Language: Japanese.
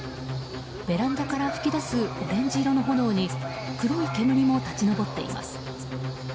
ベランダから噴き出すオレンジ色の炎に黒い煙も立ち上っています。